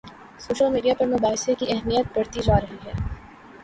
Social media پر مباحثے کی اہمیت بڑھتی جا رہی ہے۔